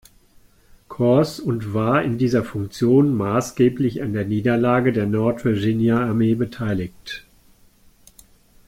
Korps und war in dieser Funktion maßgeblich an der Niederlage der Nord-Virginia-Armee beteiligt.